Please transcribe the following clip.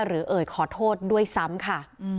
เอ่ยขอโทษด้วยซ้ำค่ะ